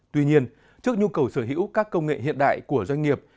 tuy nhiên trước nhu cầu sở hữu các công nghệ hiện đại của doanh nghiệp